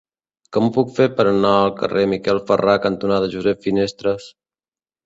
Com ho puc fer per anar al carrer Miquel Ferrà cantonada Josep Finestres?